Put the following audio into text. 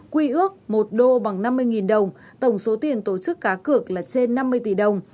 quy ước một đô bằng năm mươi đồng tổng số tiền tổ chức cá cược là trên năm mươi tỷ đồng